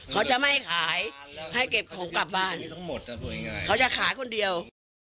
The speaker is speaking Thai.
เขาจะไม่ขายให้เก็บของกลับบ้านเขาจะขายคนเดียว